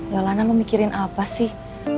yolanda lo mikirin apa sih